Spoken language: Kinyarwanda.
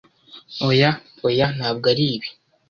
Oya, oya! Ntabwo aribi.